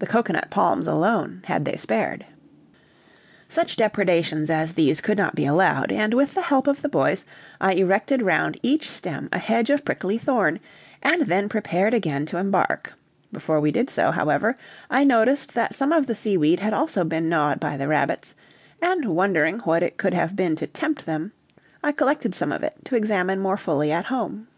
The cocoanut palms alone had they spared. Such depredations as these could not be allowed, and with the help of the boys I erected round each stem a hedge of prickly thorn, and then prepared again to embark; before we did so, however, I noticed that some of the seaweed had also been gnawed by the rabbits, and wondering what it could have been to tempt them, I collected some of it to examine more fully at home.